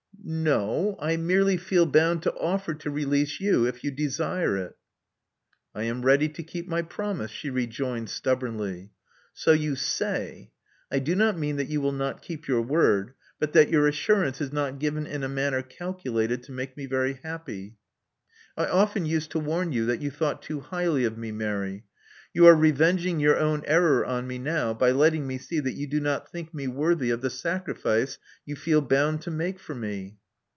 "No. I merely feel bound to offer to release you if you desire it. " "I am ready to keep my promise," she rejoined stubbornly. "So you say. I do not mean that you will not keep your word, but that your assurance is not given in a manner calculated to make me very happy. I often 214 Love Among the Artists used to warn you that you thought too 'highly of me, Mary. You are revenging your own error on me now by letting me see that you do not think me worthy of the sacrifice you feel bound to make for me.